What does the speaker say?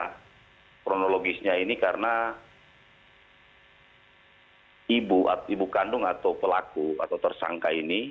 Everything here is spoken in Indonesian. kronologisnya ini karena ibu kandung atau pelaku atau tersangka ini